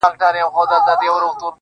د پریان لوري، د هرات او ګندارا لوري.